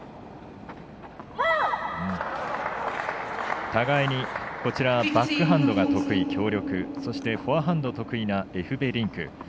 お互いにバックハンドが得意、強力そして、フォアハンド得意なエフベリンク。